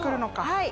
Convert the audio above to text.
はい。